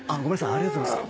ありがとうございます。